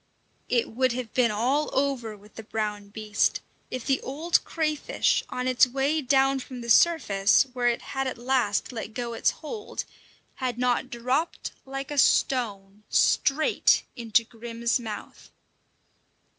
It would have been all over with the brown beast if the old crayfish, on its way down from the surface, where it had at last let go its hold, had not dropped like a stone straight into Grim's mouth.